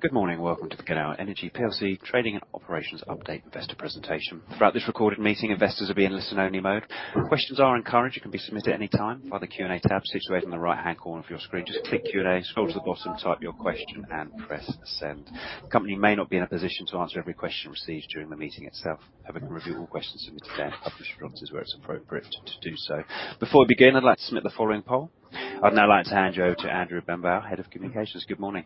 Good morning, and welcome to the Genel Energy PLC trading and operations update investor presentation. Throughout this recorded meeting, investors will be in listen-only mode. Questions are encouraged and can be submitted at any time via the Q&A tab situated on the right-hand corner of your screen. Just click Q&A, scroll to the bottom, type your question, and press Send. The company may not be in a position to answer every question received during the meeting itself. However, we review all questions submitted and publish responses where it's appropriate to do so. Before we begin, I'd like to submit the following poll. I'd now like to hand you over to Andrew Benbow, Head of Communications. Good morning.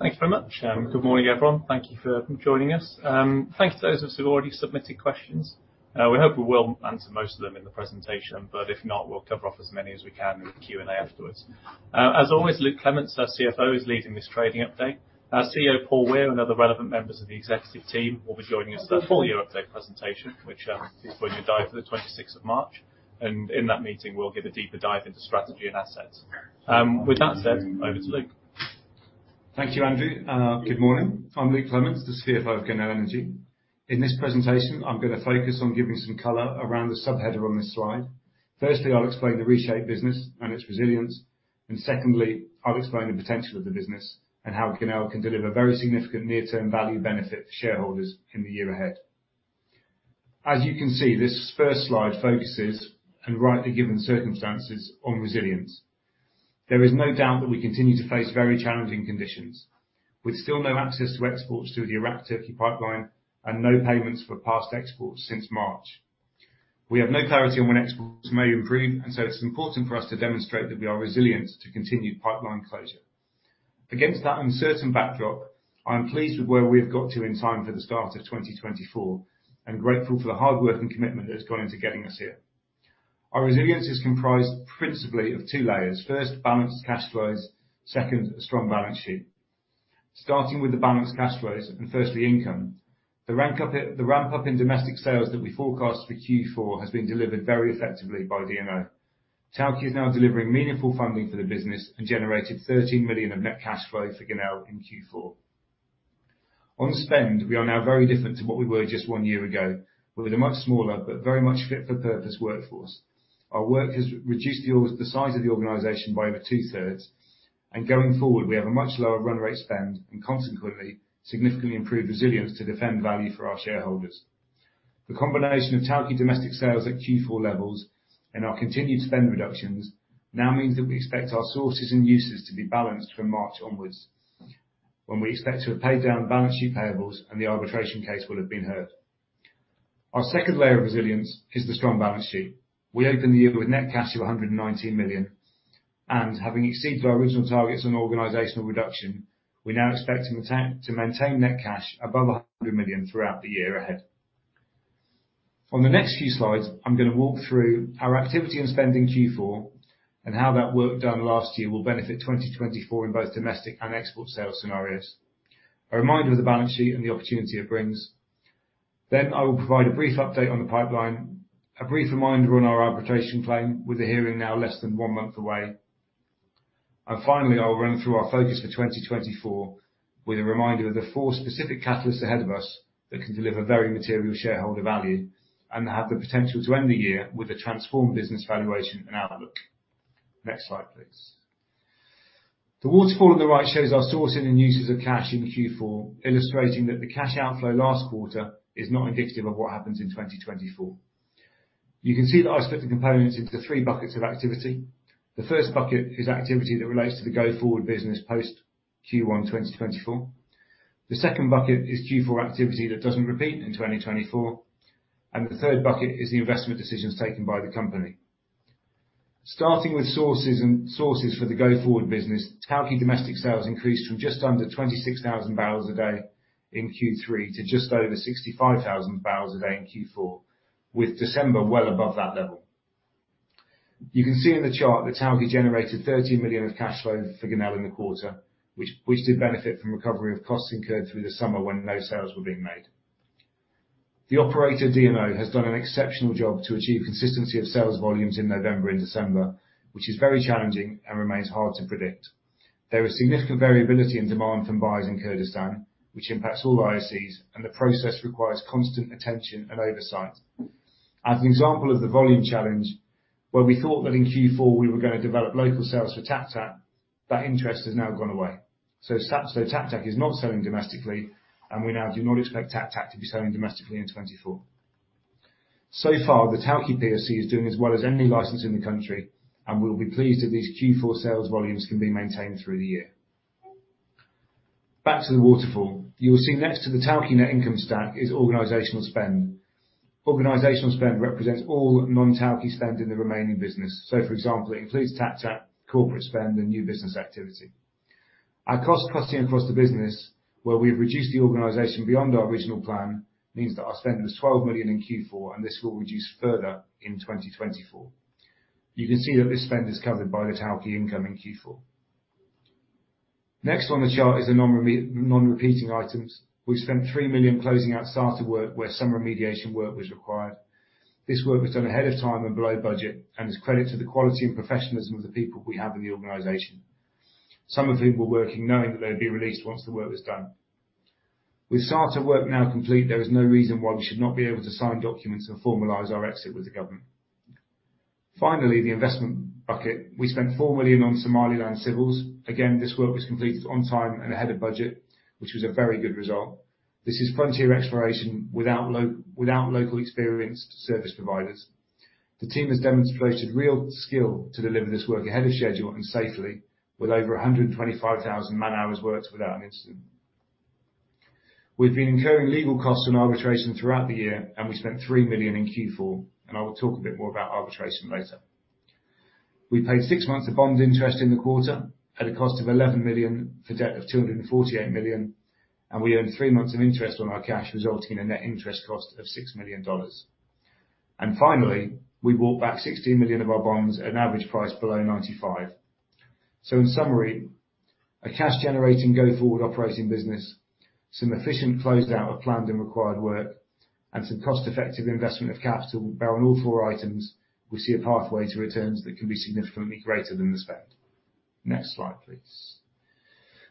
Thank you very much, and good morning, everyone. Thank you for joining us. Thank you to those of us who have already submitted questions. We hope we will answer most of them in the presentation, but if not, we'll cover off as many as we can in the Q&A afterwards. As always, Luke Clements, our CFO, is leading this trading update. Our CEO, Paul Weir, and other relevant members of the executive team will be joining us for the full year update presentation, which is when we dive to March 26th, and in that meeting, we'll give a deeper dive into strategy and assets. With that said, over to Luke. Thank you, Andrew. Good morning. I'm Luke Clements, the CFO of Genel Energy. In this presentation, I'm going to focus on giving some color around the subheader on this slide. Firstly, I'll explain the reshape business and its resilience, and secondly, I'll explain the potential of the business and how Genel can deliver very significant near-term value benefit to shareholders in the year ahead. As you can see, this first slide focuses, and rightly given the circumstances, on resilience. There is no doubt that we continue to face very challenging conditions, with still no access to exports through the Iraq-Turkey Pipeline and no payments for past exports since March. We have no clarity on when exports may improve, and so it's important for us to demonstrate that we are resilient to continued pipeline closure. Against that uncertain backdrop, I'm pleased with where we've got to in time for the start of 2024 and grateful for the hard work and commitment that has gone into getting us here. Our resilience is comprised principally of two layers. First, balanced cash flows. Second, a strong balance sheet. Starting with the balanced cash flows, and firstly, income. The ramp up in domestic sales that we forecast for Q4 has been delivered very effectively by DNO. Tawke is now delivering meaningful funding for the business and generated $13 million of net cash flow for Genel in Q4. On spend, we are now very different to what we were just one year ago, with a much smaller but very much fit-for-purpose workforce. Our work has reduced the size of the organization by over two-thirds, and going forward, we have a much lower run rate spend and consequently significantly improved resilience to defend value for our shareholders. The combination of Tawke domestic sales at Q4 levels and our continued spend reductions now means that we expect our sources and uses to be balanced from March onwards, when we expect to have paid down balance sheet payables and the arbitration case will have been heard. Our second layer of resilience is the strong balance sheet. We opened the year with net cash of $119 million, and having exceeded our original targets on organizational reduction, we're now expecting to maintain net cash above $100 million throughout the year ahead. On the next few slides, I'm going to walk through our activity and spend in Q4 and how that work done last year will benefit 2024 in both domestic and export sales scenarios. A reminder of the balance sheet and the opportunity it brings. Then I will provide a brief update on the pipeline, a brief reminder on our arbitration claim, with the hearing now less than one month away. And finally, I'll run through our focus for 2024 with a reminder of the four specific catalysts ahead of us that can deliver very material shareholder value and have the potential to end the year with a transformed business valuation and outlook. Next slide, please. The waterfall on the right shows our sourcing and uses of cash in Q4, illustrating that the cash outflow last quarter is not indicative of what happens in 2024. You can see that I've split the components into three buckets of activity. The first bucket is activity that relates to the go-forward business post Q1 2024. The second bucket is Q4 activity that doesn't repeat in 2024. And the third bucket is the investment decisions taken by the company. Starting with sources and sources for the go-forward business, Tawke domestic sales increased from just under 26,000 barrels a day in Q3 to just over 65,000 barrels a day in Q4, with December well above that level. You can see in the chart that Tawke generated $13 million of cash flow for Genel in the quarter, which did benefit from recovery of costs incurred through the summer when no sales were being made. The operator, DNO, has done an exceptional job to achieve consistency of sales volumes in November and December, which is very challenging and remains hard to predict. There is significant variability in demand from buyers in Kurdistan, which impacts all IOCs, and the process requires constant attention and oversight. As an example of the volume challenge, where we thought that in Q4 we were going to develop local sales for Taq Taq, that interest has now gone away. So Taq Taq is not selling domestically, and we now do not expect Taq Taq to be selling domestically in 2024. So far, the Tawke PSC is doing as well as any license in the country, and we'll be pleased that these Q4 sales volumes can be maintained through the year. Back to the waterfall. You will see next to the Tawke net income stack is organizational spend. Organizational spend represents all non-Tawke spend in the remaining business. So for example, it includes Taq Taq, corporate spend, and new business activity. Our cost cutting across the business, where we've reduced the organization beyond our original plan, means that our spend was $12 million in Q4, and this will reduce further in 2024. You can see that this spend is covered by the Tawke income in Q4. Next on the chart is the non-repeating items. We spent $3 million closing out Sarta work where some remediation work was required. This work was done ahead of time and below budget and is a credit to the quality and professionalism of the people we have in the organization. Some of whom were working knowing that they would be released once the work was done. With Sarta work now complete, there is no reason why we should not be able to sign documents and formalize our exit with the government. Finally, the investment bucket. We spent $4 million on Somaliland civils. Again, this work was completed on time and ahead of budget, which was a very good result. This is frontier exploration without without local experienced service providers. The team has demonstrated real skill to deliver this work ahead of schedule and safely, with over 125,000 man-hours worked without an incident. We've been incurring legal costs and arbitration throughout the year, and we spent $3 million in Q4, and I will talk a bit more about arbitration later. We paid six months of bond interest in the quarter at a cost of $11 million, for debt of $248 million, and we earned three months of interest on our cash, resulting in a net interest cost of $6 million. Finally, we bought back $16 million of our bonds at an average price below 95. In summary, a cash-generating, go-forward operating business, some efficient closed out of planned and required work, and some cost-effective investment of capital, where on all four items, we see a pathway to returns that can be significantly greater than the spend. Next slide, please.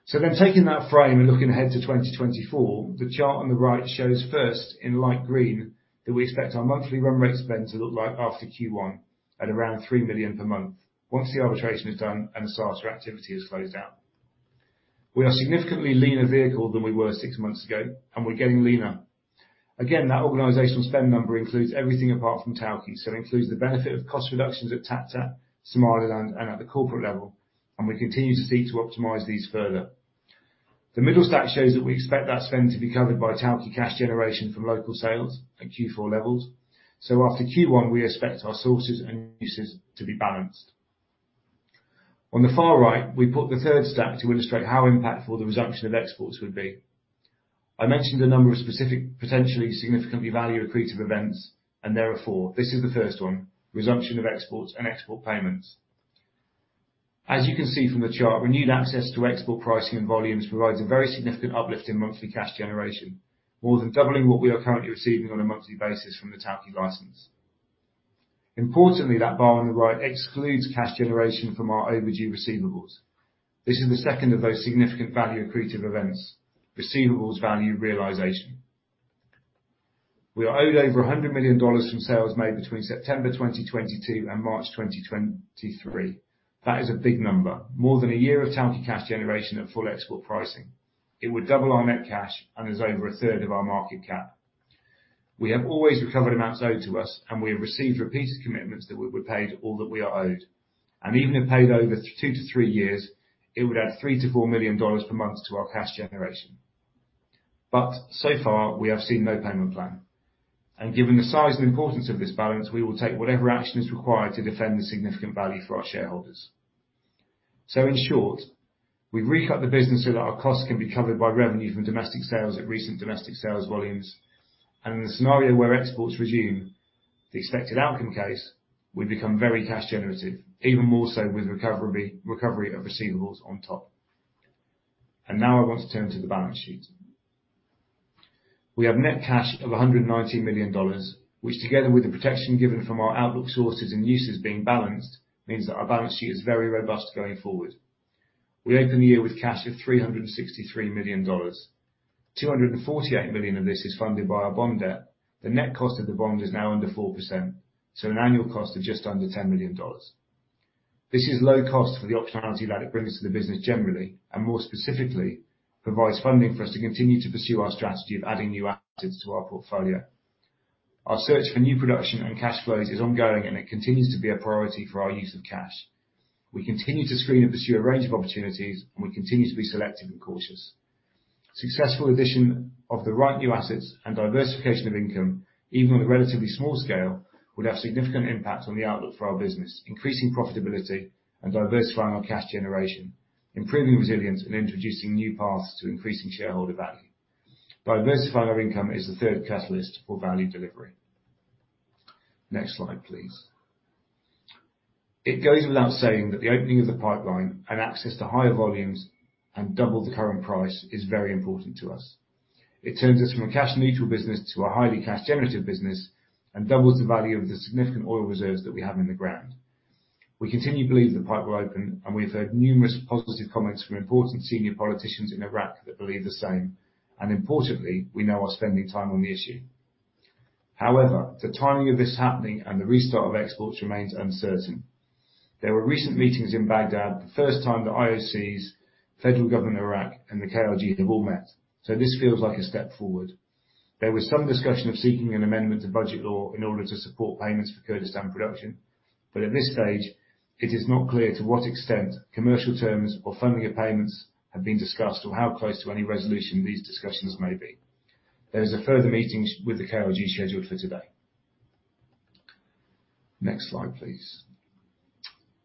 So then taking that frame and looking ahead to 2024, the chart on the right shows first, in light green, that we expect our monthly run rate spend to look like after Q1, at around $3 million per month, once the arbitration is done and the Sarta activity is closed out. We are a significantly leaner vehicle than we were six months ago, and we're getting leaner. Again, that organizational spend number includes everything apart from Tawke, so it includes the benefit of cost reductions at Taq Taq, Somaliland, and at the corporate level, and we continue to seek to optimize these further. The middle stack shows that we expect that spend to be covered by Tawke cash generation from local sales at Q4 levels. So after Q1, we expect our sources and uses to be balanced. On the far right, we put the third stack to illustrate how impactful the resumption of exports would be. I mentioned a number of specific, potentially significantly value-accretive events, and there are four. This is the first one: resumption of exports and export payments. As you can see from the chart, renewed access to export pricing and volumes provides a very significant uplift in monthly cash generation, more than doubling what we are currently receiving on a monthly basis from the Tawke license. Importantly, that bar on the right excludes cash generation from our overdue receivables. This is the second of those significant value-accretive events: receivables value realization. We are owed over $100 million from sales made between September 2022 and March 2023. That is a big number, more than a year of Tawke cash generation at full export pricing. It would double our net cash and is over a third of our market cap. We have always recovered amounts owed to us, and we have received repeated commitments that we were paid all that we are owed, and even if paid over two to three years, it would add $3 million-$4 million per month to our cash generation. So far, we have seen no payment plan. Given the size and importance of this balance, we will take whatever action is required to defend the significant value for our shareholders. In short, we've recut the business so that our costs can be covered by revenue from domestic sales at recent domestic sales volumes, and in the scenario where exports resume, the expected outcome case, we become very cash generative, even more so with recovery of receivables on top. Now I want to turn to the balance sheet. We have net cash of $190 million, which, together with the protection given from our outlook sources and uses being balanced, means that our balance sheet is very robust going forward. We open the year with cash of $363 million, $248 million of this is funded by our bond debt. The net cost of the bond is now under 4%, so an annual cost of just under $10 million. This is low cost for the optionality that it brings to the business generally, and more specifically, provides funding for us to continue to pursue our strategy of adding new assets to our portfolio. Our search for new production and cash flows is ongoing, and it continues to be a priority for our use of cash. We continue to screen and pursue a range of opportunities, and we continue to be selective and cautious. Successful addition of the right new assets and diversification of income, even on a relatively small scale, would have significant impact on the outlook for our business, increasing profitability and diversifying our cash generation, improving resilience, and introducing new paths to increasing shareholder value. Diversifying our income is the third catalyst for value delivery. Next slide, please. It goes without saying that the opening of the pipeline and access to higher volumes and double the current price is very important to us. It turns us from a cash neutral business to a highly cash generative business and doubles the value of the significant oil reserves that we have in the ground. We continue to believe the pipe will open, and we've heard numerous positive comments from important senior politicians in Iraq that believe the same, and importantly, we know are spending time on the issue. However, the timing of this happening and the restart of exports remains uncertain. There were recent meetings in Baghdad, the first time the IOCs, Federal Government of Iraq, and the KRG have all met, so this feels like a step forward. There was some discussion of seeking an amendment to budget law in order to support payments for Kurdistan production, but at this stage, it is not clear to what extent commercial terms or funding of payments have been discussed or how close to any resolution these discussions may be. There is a further meeting with the KRG scheduled for today. Next slide, please.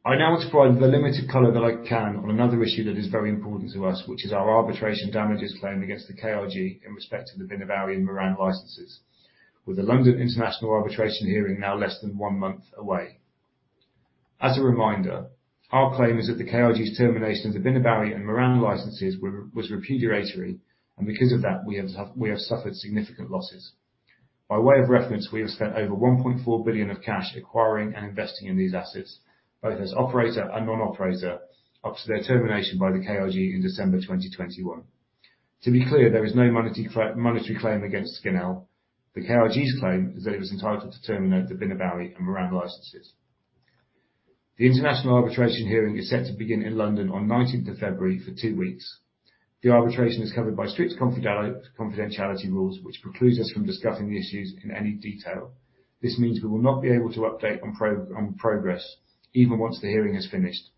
I now want to provide the limited color that I can on another issue that is very important to us, which is our arbitration damages claim against the KRG in respect to the Bina Bawi and Miran licenses, with the London International Arbitration hearing now less than one month away. As a reminder, our claim is that the KRG's termination of the Bina Bawi and Miran licenses were, was repudiatory, and because of that, we have we have suffered significant losses. By way of reference, we have spent over $1.4 billion of cash acquiring and investing in these assets, both as operator and non-operator, up to their termination by the KRG in December 2021. To be clear, there is no monetary monetary claim against Genel. The KRG's claim is that it was entitled to terminate the Bina Bawi and Miran licenses. The international arbitration hearing is set to begin in London on nineteenth of February for two weeks. The arbitration is covered by strict confidentiality rules, which precludes us from discussing the issues in any detail. This means we will not be able to update on progress, even once the hearing has finished,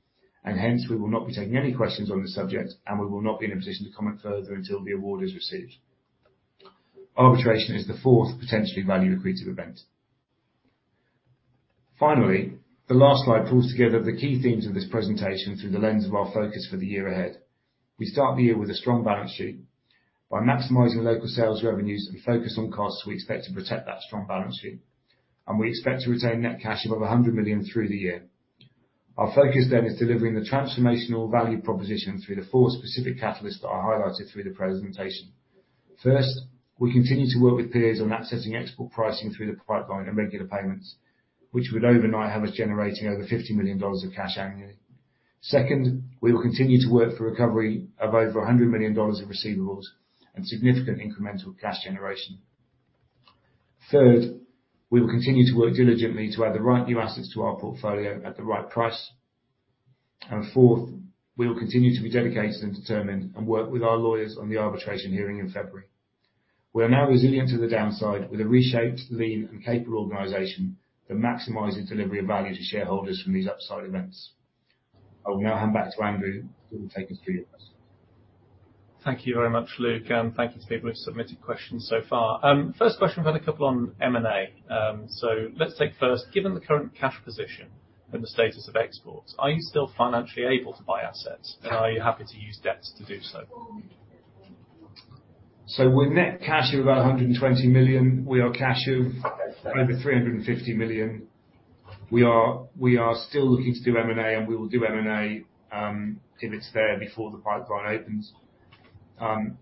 and hence we will not be taking any questions on this subject, and we will not be in a position to comment further until the award is received. Arbitration is the fourth potentially value-accretive event. Finally, the last slide pulls together the key themes of this presentation through the lens of our focus for the year ahead. We start the year with a strong balance sheet. By maximizing local sales revenues and focus on costs, we expect to protect that strong balance sheet, and we expect to retain net cash of over $100 million through the year. Our focus then, is delivering the transformational value proposition through the four specific catalysts that are highlighted through the presentation. First, we continue to work with peers on accessing export pricing through the pipeline and regular payments, which would overnight have us generating over $50 million of cash annually. Second, we will continue to work for recovery of over $100 million in receivables and significant incremental cash generation. Third, we will continue to work diligently to add the right new assets to our portfolio at the right price. And fourth, we will continue to be dedicated and determined, and work with our lawyers on the arbitration hearing in February. We are now resilient to the downside, with a reshaped, lean and capable organization that maximizes delivery of value to shareholders from these upside events. I will now hand back to Andrew, who will take us through your questions. Thank you very much, Luke, and thank you to the people who've submitted questions so far. First question, we've had a couple on M&A. So let's take first, given the current cash position and the status of exports, are you still financially able to buy assets, and are you happy to use debts to do so? So we're Net Cash of about $120 million. We are cash of over $350 million. We are, we are still looking to do M&A, and we will do M&A if it's there before the pipeline opens.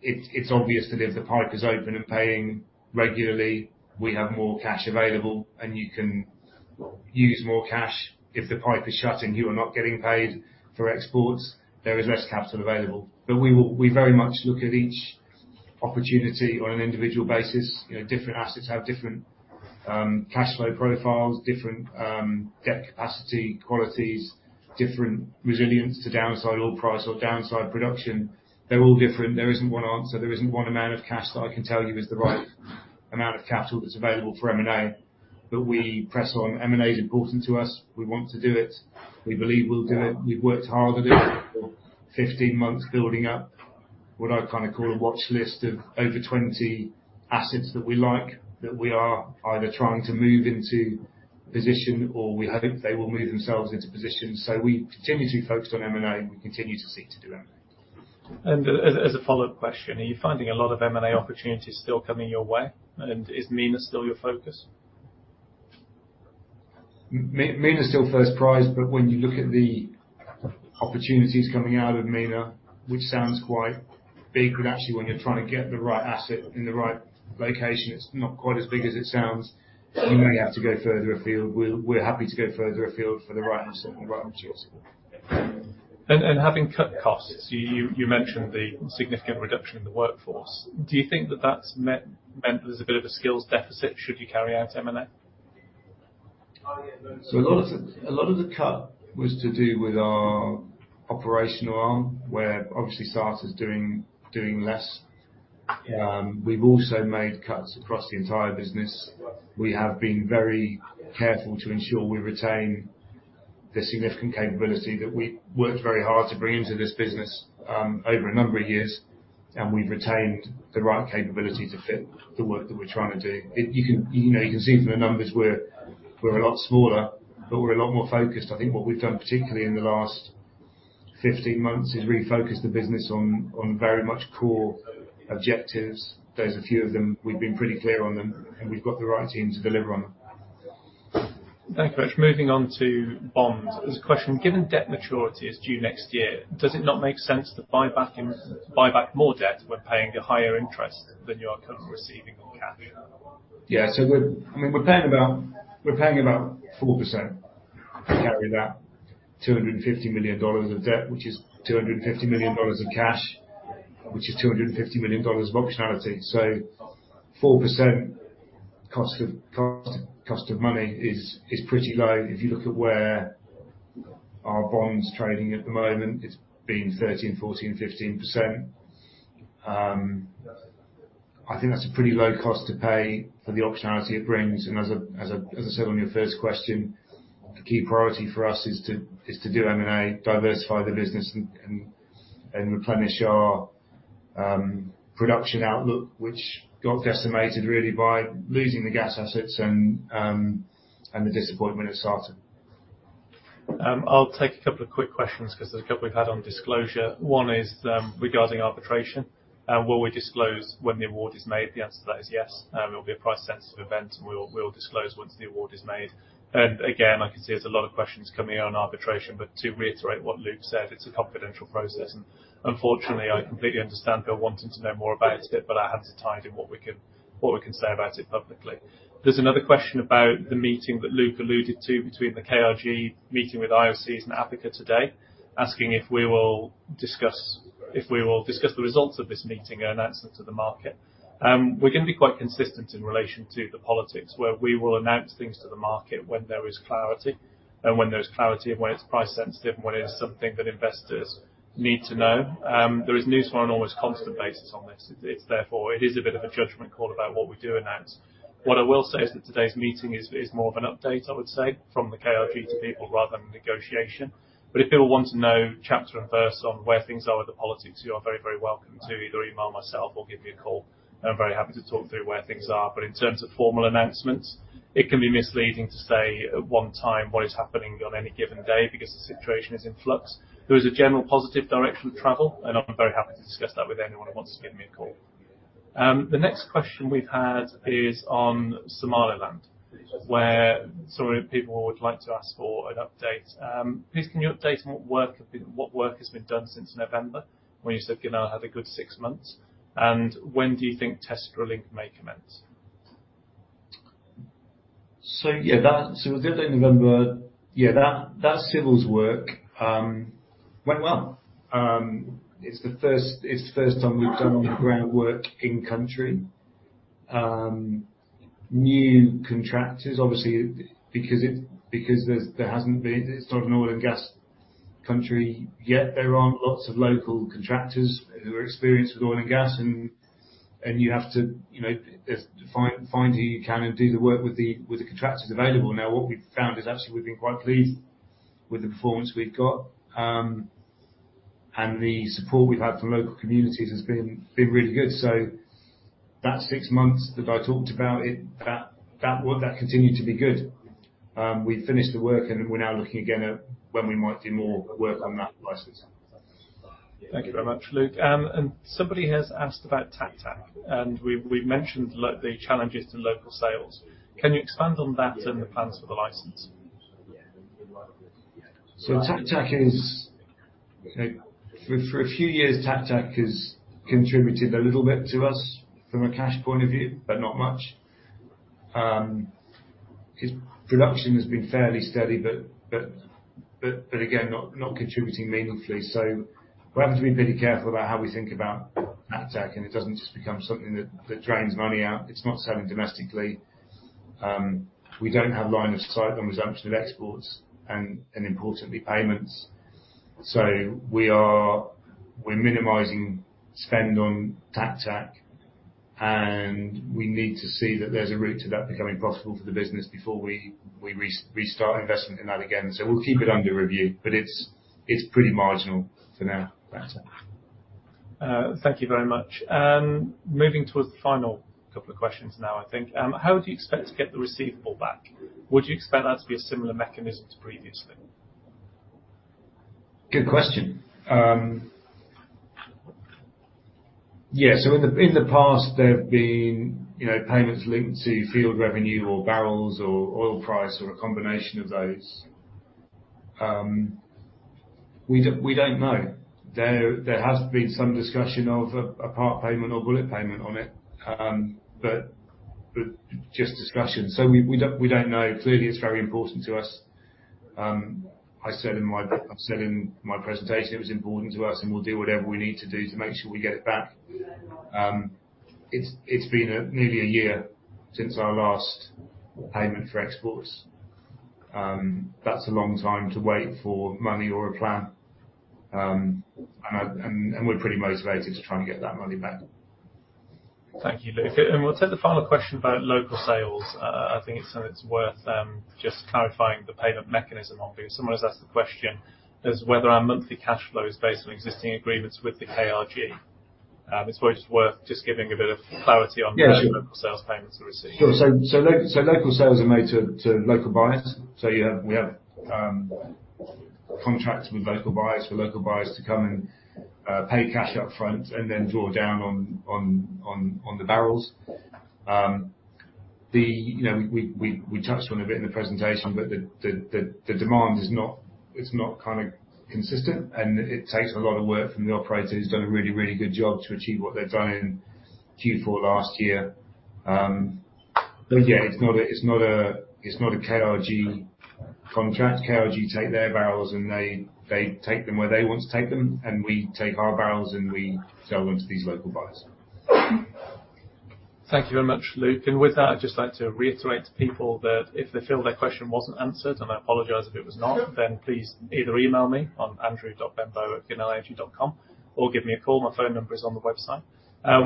It's, it's obvious that if the pipe is open and paying regularly, we have more cash available, and you can use more cash. If the pipe is shut and you are not getting paid for exports, there is less capital available. But we will, we very much look at each opportunity on an individual basis. You know, different assets have different cash flow profiles, different debt capacity, qualities, different resilience to downside oil price or downside production. They're all different. There isn't one answer. There isn't one amount of cash that I can tell you is the right amount of capital that's available for M&A, but we press on. M&A is important to us. We want to do it. We believe we'll do it. We've worked hard at it for 15 months, building up what I'd kind of call a watch list of over 20 assets that we like, that we are either trying to move into position or we hope they will move themselves into position. So we continue to be focused on M&A, and we continue to seek to do M&A. As a follow-up question, are you finding a lot of M&A opportunities still coming your way? And is MENA still your focus? MENA is still first prize, but when you look at the opportunities coming out of MENA, which sounds quite big, but actually when you're trying to get the right asset in the right location, it's not quite as big as it sounds. You may have to go further afield. We're happy to go further afield for the right asset and the right materials. And having cut costs, you mentioned the significant reduction in the workforce. Do you think that that's meant there's a bit of a skills deficit, should you carry out M&A? So a lot of the cut was to do with our operational arm, where obviously Sarta is doing less. We've also made cuts across the entire business. We have been very careful to ensure we retain the significant capability that we worked very hard to bring into this business over a number of years, and we've retained the right capability to fit the work that we're trying to do. It you can, you know, you can see from the numbers, we're a lot smaller, but we're a lot more focused. I think what we've done, particularly in the last 15 months, is really focus the business on very much core objectives. There's a few of them, we've been pretty clear on them, and we've got the right team to deliver on them. Thank you very much. Moving on to bonds, there's a question: given debt maturity is due next year, does it not make sense to buy back more debt when paying a higher interest than you are currently receiving on cash? Yeah. So I mean, we're paying about 4% to carry that $250 million of debt, which is $250 million in cash, which is $250 million of optionality. So 4% cost of money is pretty low. If you look at where our bond's trading at the moment, it's been 13%, 14%, 15%. I think that's a pretty low cost to pay for the optionality it brings. And as I said on your first question, the key priority for us is to do M&A, diversify the business, and replenish our production outlook, which got decimated really by losing the gas assets and the disappointment of Sarta. I'll take a couple of quick questions because there's a couple we've had on disclosure. One is, regarding arbitration, and will we disclose when the award is made? The answer to that is yes. It'll be a price-sensitive event, and we'll disclose once the award is made. And again, I can see there's a lot of questions coming in on arbitration, but to reiterate what Luke said, it's a confidential process. And unfortunately, I completely understand people wanting to know more about it, but I'm tied to what we can say about it publicly. There's another question about the meeting that Luke alluded to between the KRG meeting with IOCs in Africa today, asking if we will discuss the results of this meeting and announce them to the market. We're going to be quite consistent in relation to the politics, where we will announce things to the market when there is clarity, and when there's clarity, and when it's price sensitive, and when it's something that investors need to know. There is news from an almost constant basis on this. It's therefore, it is a bit of a judgment call about what we do announce. What I will say is that today's meeting is more of an update, I would say, from the KRG to people rather than negotiation. But if people want to know chapter and verse on where things are with the politics, you are very, very welcome to either email myself or give me a call, and I'm very happy to talk through where things are. But in terms of formal announcements, it can be misleading to say at one time what is happening on any given day because the situation is in flux. There is a general positive direction of travel, and I'm very happy to discuss that with anyone who wants to give me a call. The next question we've had is on Somaliland, where some of the people would like to ask for an update. Please, can you update on what work has been done since November, when you said you now have a good six months, and when do you think test drilling may commence? So yeah, we did that in November. Yeah, that civils work went well. It's the first time we've done groundwork in country. New contractors, obviously, because there's - it's not an oil and gas country yet. There aren't lots of local contractors who are experienced with oil and gas, and you have to, you know, find who you can and do the work with the contractors available. Now, what we've found is actually we've been quite pleased with the performance we've got, and the support we've had from local communities has been really good. So that six months that I talked about, that work continued to be good. We finished the work, and we're now looking again at when we might do more work on that license. Thank you very much, Luke. Somebody has asked about Taq Taq, and we've mentioned the challenges to local sales. Can you expand on that and the plans for the license? So Taq Taq is okay for a few years, Taq Taq has contributed a little bit to us from a cash point of view, but not much. Its production has been fairly steady, but again, not contributing meaningfully. So we're having to be pretty careful about how we think about Taq Taq, and it doesn't just become something that drains money out. It's not selling domestically. We don't have line of sight on resumption of exports and importantly, payments. So we're minimizing spend on Taq Taq, and we need to see that there's a route to that becoming possible for the business before we restart investment in that again. So we'll keep it under review, but it's pretty marginal for now, Taq Taq. Thank you very much. Moving towards the final couple of questions now, I think. How do you expect to get the receivable back? Would you expect that to be a similar mechanism to previously? Good question. Yeah, so in the past, there have been, you know, payments linked to field revenue, or barrels, or oil price, or a combination of those. We don't know. There has been some discussion of a part payment or bullet payment on it, but just discussion. So we don't know. Clearly, it's very important to us. I said in my presentation, it was important to us, and we'll do whatever we need to do to make sure we get it back. It's been nearly a year since our last payment for exports. That's a long time to wait for money or a plan. And we're pretty motivated to try and get that money back. Thank you, Luke. We'll take the final question about local sales. I think it's worth just clarifying the payment mechanism on it. Someone has asked the question is whether our monthly cash flow is based on existing agreements with the KRG. It's worth just giving a bit of clarity on. Yeah, sure. the local sales payments we're receiving. Sure. So local sales are made to local buyers. So yeah, we have contracts with local buyers for local buyers to come and pay cash up front and then draw down on the barrels. You know, we touched on a bit in the presentation, but the demand is not, it's not kind of consistent, and it takes a lot of work from the operators, who've done a really, really good job to achieve what they've done in Q4 last year. But yeah, it's not a KRG contract. KRG take their barrels, and they take them where they want to take them, and we take our barrels, and we sell them to these local buyers. Thank you very much, Luke. With that, I'd just like to reiterate to people that if they feel their question wasn't answered, and I apologize if it was not. Sure. Then please either email me on andrew.benbow@genelenergy.com, or give me a call. My phone number is on the website.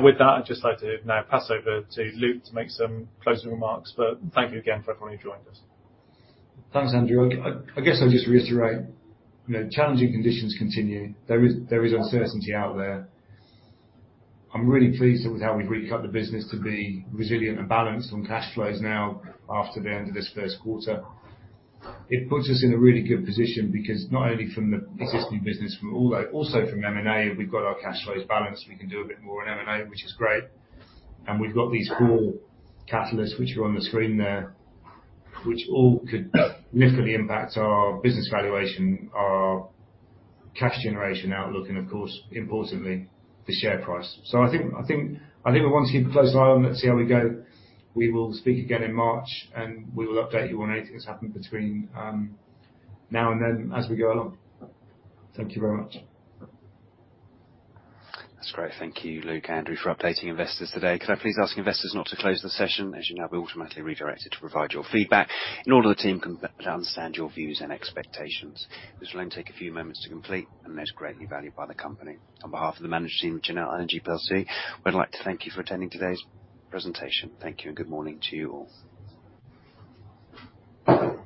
With that, I'd just like to now pass over to Luke to make some closing remarks. But thank you again for everyone who joined us. Thanks, Andrew. I guess I'll just reiterate, you know, challenging conditions continue. There is uncertainty out there. I'm really pleased with how we've recut the business to be resilient and balanced on cash flows now after the end of this first quarter. It puts us in a really good position because not only from the existing business, from all the, also from M&A, we've got our cash flows balanced. We can do a bit more on M&A, which is great. And we've got these four catalysts, which are on the screen there, which all could significantly impact our business valuation, our cash generation outlook, and of course, importantly, the share price. So I think we want to keep a close eye on it and see how we go. We will speak again in March, and we will update you on anything that's happened between now and then as we go along. Thank you very much. That's great. Thank you, Luke, Andrew, for updating investors today. Could I please ask investors not to close the session, as you'll now be automatically redirected to provide your feedback in order the team can better understand your views and expectations. This will only take a few moments to complete and is greatly valued by the company. On behalf of the management team at Genel Energy PLC, we'd like to thank you for attending today's presentation. Thank you, and good morning to you all.